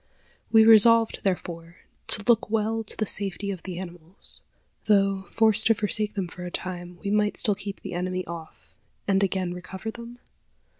We resolved, therefore, to look well to the safety of the animals. Though, forced to forsake them for a time, we might still keep the enemy off, and again recover them?